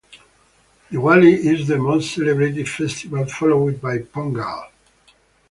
Diwali is the most celebrated festival followed by pongal.